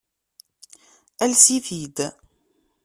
Ales-it-id.